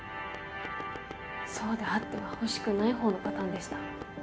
そうであってはほしくない方のパターンでした。